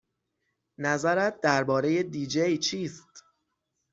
نظرت درباره دی جی چیست؟